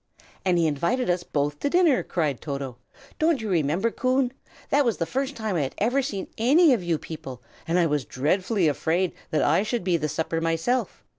"And he invited us both to supper!" cried Toto. "Don't you remember, Coon? That was the first time I had ever seen any of you people, and I was dreadfully afraid that I should be the supper myself.